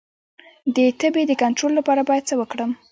د تبې د کنټرول لپاره باید څه وکړم؟